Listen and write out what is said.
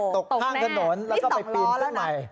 ตกข้างถนนแล้วก็ไปปีนขึ้นใหม่